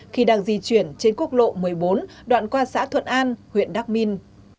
khi đang di chuyển trên quốc lộ một mươi bốn đoạn qua xã thuận an huyện đắc minh